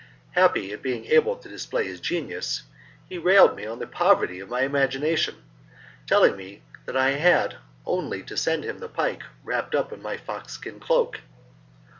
Happy at being able to display his genius, he rallied me on the poverty of my imagination, telling me that I had only to send him the pike wrapped up in my fox skin cloak.